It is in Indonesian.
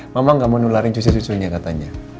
mama gak mau nularin cuci cucunya katanya